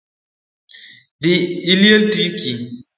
Dhii iliel tiki